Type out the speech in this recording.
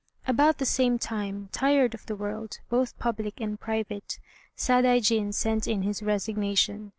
About the same time, tired of the world, both public and private, Sadaijin sent in his resignation.